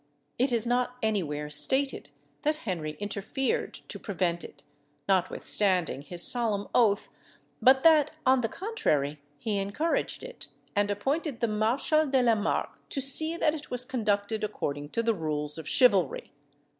It is not anywhere stated that Henry interfered to prevent it, notwithstanding his solemn oath; but that, on the contrary, he encouraged it, and appointed the Marshal de la Marque to see that it was conducted according to the rules of chivalry.